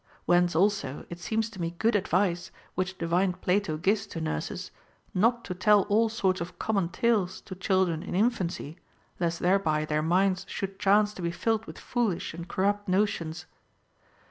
AVhence, also, it seems to me good advice Avhich divine Plato gives to nurses, not to tell all sorts of common tales to children in infancy, lest thereby their minds should chance to be filled with foolish and corrupt notions.